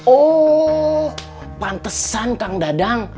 oh pantesan kang dadang